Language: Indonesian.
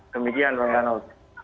demikian pak rinal